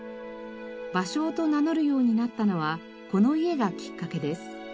「芭蕉」と名乗るようになったのはこの家がきっかけです。